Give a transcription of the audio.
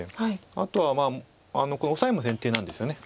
あとはこのオサエも先手なんですよね。